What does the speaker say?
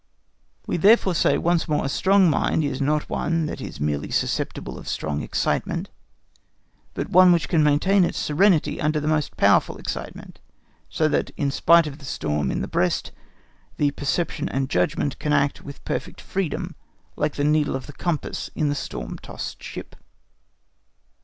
We therefore say once more a strong mind is not one that is merely susceptible of strong excitement, but one which can maintain its serenity under the most powerful excitement, so that, in spite of the storm in the breast, the perception and judgment can act with perfect freedom, like the needle of the compass in the storm tossed ship.